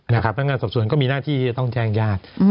นักงานสอบสวนก็มีหน้าที่ที่จะต้องแจ้งญาติ